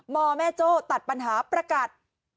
แม่โจ้ตัดปัญหาประกัด